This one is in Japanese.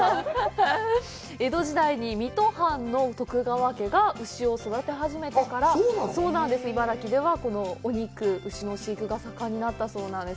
江戸時代に水戸藩の徳川家が牛を育て始めてから、茨城では、このお肉、牛の飼育が盛んになったそうなんです。